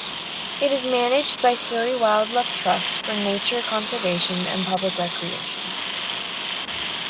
It is managed by Surrey Wildlife Trust for nature conservation and public recreation.